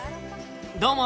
どうも。